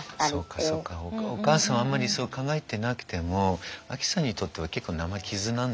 そうかそうかお母さんはあんまりそう考えてなくてもアキさんにとっては結構生傷なんですよね